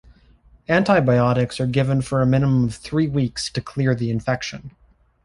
Antibiotics are given for a minimum of three weeks to clear the infection.